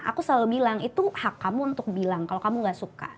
aku selalu bilang itu hak kamu untuk bilang kalau kamu gak suka